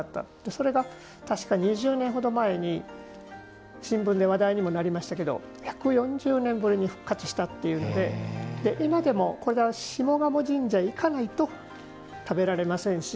それが２０年ほど前に新聞で話題にもなりましたけど１４０年ぶりに復活したっていうので今でもこれは下鴨神社に行かないと食べられませんし。